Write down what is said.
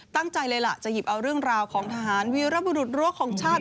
ตั้งใจเลยล่ะจะหยิบเอาเรื่องราวของทหารวีรบุรุษรั้วของชาติ